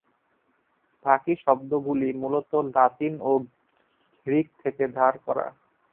বাকী শব্দগুলি মূলত লাতিন ও গ্রিক থেকে ধার করা।